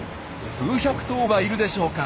数百頭はいるでしょうか。